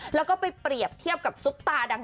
แล้วก็ไปเปรียบเทียบกับซุปตาดัง